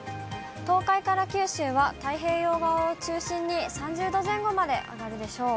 東海から九州は太平洋側を中心に３０度前後まで上がるでしょう。